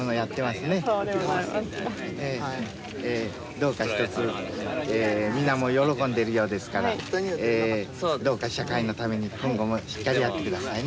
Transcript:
どうかひとつ皆も喜んでるようですからどうか社会のために今後もしっかりやってくださいね。